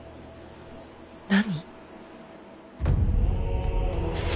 何。